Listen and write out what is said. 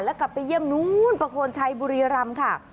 แล้วกลับไปเยี่ยมนู้นประโคนชัยบุรีรำค่ะ